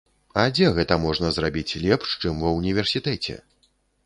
А дзе гэта можна зрабіць лепш, чым ва ўніверсітэце?